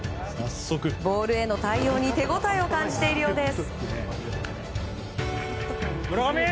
ボールへの対応に手応えを感じているようです。